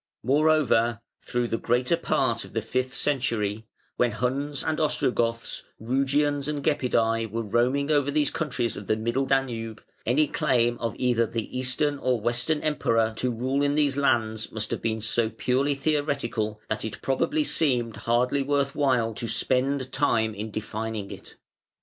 Moreover, through the greater part of the fifth century, when Huns and Ostrogoths, Rugians and Gepidæ were roaming over these countries of the Middle Danube, any claim of either the Eastern or Western Emperor to rule in these lands must have been so purely theoretical that it probably seemed hardly worth while to spend time in defining it.